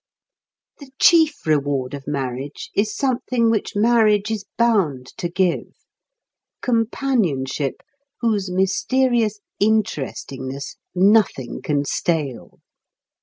The chief reward of marriage is something which marriage is bound to give companionship whose mysterious interestingness nothing can stale.